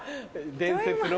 伝説の。